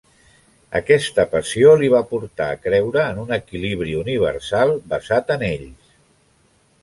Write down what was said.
Aquesta passió li va portar a creure en un equilibri universal basat en ells.